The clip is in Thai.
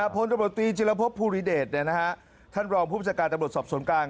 ผลตำรวจตรีจีรพพฤบิเบสท่านรองผู้บัญชาการสอบสวนกลาง